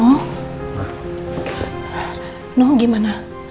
kamu udah ketemu